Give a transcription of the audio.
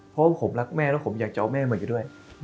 เพราะว่าผมรักแม่แล้วผมอยากจะเอาแม่มาอยู่ด้วย